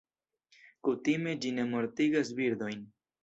Kutime ĝi ne mortigas birdojn.